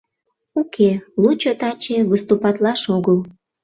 Уке, лучо таче выступатлаш огыл.